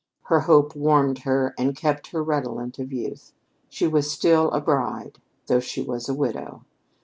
Her hope warmed her and kept her redolent of youth. She was still a bride, though she was a widow.